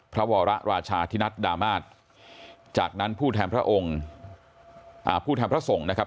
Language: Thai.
พระวรราชาธินัทดามาศจากนั้นผู้แทนพระองค์อ่าผู้แทนพระสงฆ์นะครับ